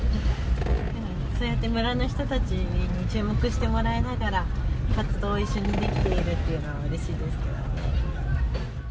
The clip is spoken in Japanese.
そうやって村の人たちに注目してもらいながら活動を一緒にできているっていうのはうれしいですけどね。